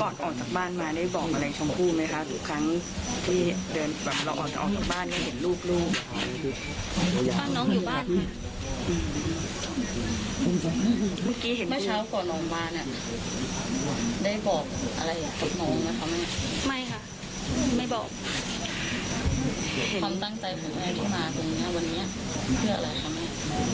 ความตั้งใจของคุณแม่ที่มาตรงนี้วันนี้เพื่ออะไรค่ะแม่